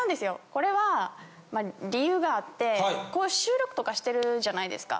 これは理由があってこういう収録とかしてるじゃないですか。